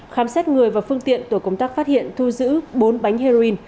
khám xét người và phương tiện tổ công tác phát hiện thu giữ bốn bánh heroin